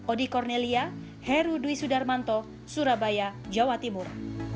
ody cornelia heru dwi sudarmanto surabaya jawa timur